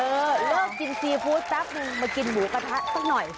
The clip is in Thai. เออเลิกกินซีฟู้ดมากินหมูกระทะสักหน่อย